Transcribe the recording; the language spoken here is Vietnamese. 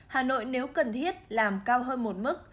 hà nội nếu cần thiết làm cao hơn một mức